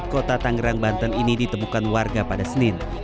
kota tangerang banten ini ditemukan warga pada senin